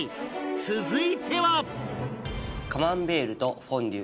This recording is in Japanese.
続いては